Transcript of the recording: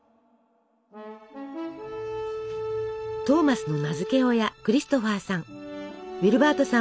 トーマスの名付け親クリストファーさん。